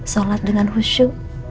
sholat dengan husu